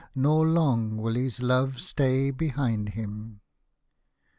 Nor long will his love stay behind him.